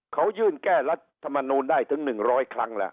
เขายื่นแก้รัฐมนูลได้ถึง๑๐๐ครั้งแล้ว